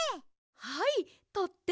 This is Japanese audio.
はいとっても。